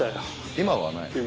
今はない。